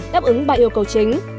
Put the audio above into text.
đáp ứng ba yêu cầu chính